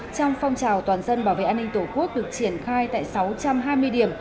trong phong trào toàn dân bảo vệ an ninh tổ quốc được triển khai tại sáu trăm hai mươi điểm